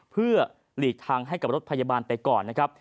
เพื่อหลีกทางให้กับรถพยาบาลไปก่อนนะครับ